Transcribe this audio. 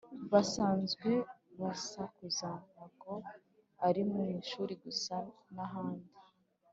Basanzwe basakuza nago ari mu ishuri gusa nahandi